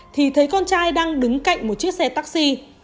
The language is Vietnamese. thì thấy con trai đang đứng cạnh một chiếc xe taxi